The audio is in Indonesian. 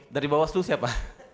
dari bawaslu siapa